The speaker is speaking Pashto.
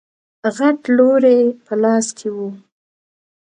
غټ لور يې په لاس کې و.